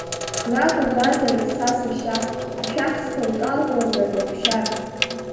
Грак угазаргь, са сашьа, ашәахсҭа уҿалазар, уаҳәшьа!